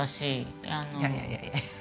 いやいやいや。